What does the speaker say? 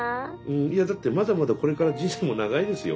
いやだってまだまだこれから人生も長いですよ。